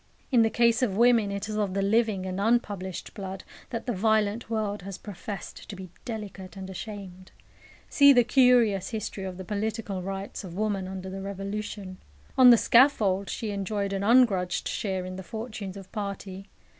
In the case of women, it is of the living and unpublished blood that the violent world has professed to be delicate and ashamed. See the curious history of the political rights of woman under the Revolution. On the scaffold she enjoyed an ungrudged share in the fortunes of party.